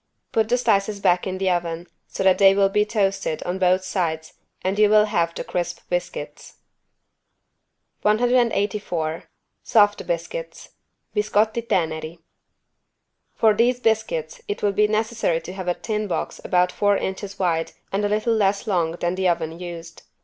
Put the slices back in the oven, so that they will be toasted on both sides and you will have the crisp biscuits. 184 SOFT BISCUITS (Biscotti teneri) For these biscuits it would be necessary to have a tin box about four inches wide and a little less long than the oven used.